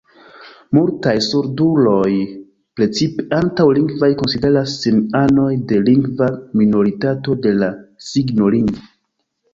Multaj surduloj, precipe antaŭ-lingvaj, konsideras sin anoj de lingva minoritato de la signolingvo.